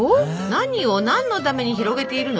何を何のために広げているの？